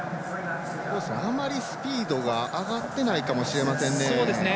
あまり、スピードが上がってないかもしれませんね。